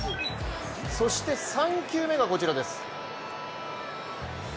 そして３球目がこちらです。